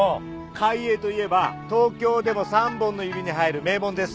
開瑛といえば東京でも３本の指に入る名門です。